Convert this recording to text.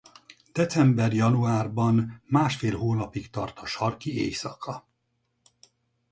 December-januárban másfél hónapig tart a sarki éjszaka.